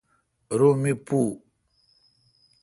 رو می پو۔